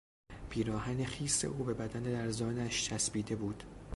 پیراهن خیس او به بدن لرزانش چسبیده بود.